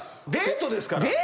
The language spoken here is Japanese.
デートですから！